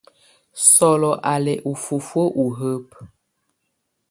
Sɔlɔ á lɛ ú fufuǝ́ u hǝ́bǝ.